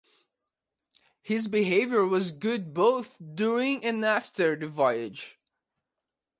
His behaviour was good both during and after the voyage.